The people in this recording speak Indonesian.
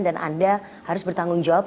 dan anda harus bertanggung jawab